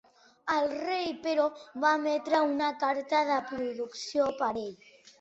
El rei, però, va emetre una carta de producció per a ell.